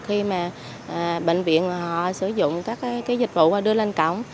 khi mà bệnh viện họ sử dụng các cái dịch vụ và đưa lên cổng